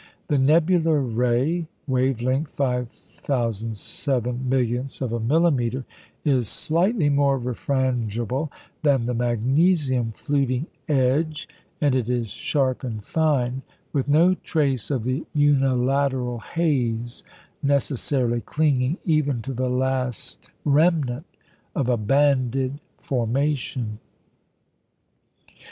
The nebular ray (wave length 5,007 millionths of a millimetre) is slightly more refrangible than the magnesium fluting edge, and it is sharp and fine, with no trace of the unilateral haze necessarily clinging even to the last "remnant" of a banded formation.